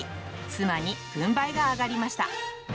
妻に軍配が上がりました。